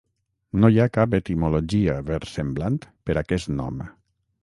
No hi ha cap etimologia versemblant per aquest nom.